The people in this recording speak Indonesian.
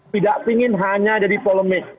tidak ingin hanya jadi polemik